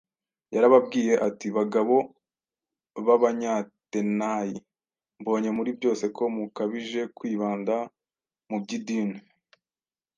Yarababwiye ati, “Bagabo b’Abanyatenayi, mbonye muri byose ko mukabije kwibanda mu by’idini.